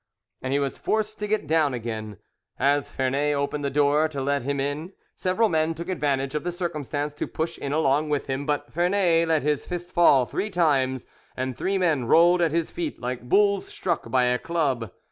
and he was forced to get down again. As Vernet opened the door to let him in, several men took advantage of the circumstance to push in along with him; but Vernet let his fist fall three times, and three men rolled at his feet like bulls struck by a club.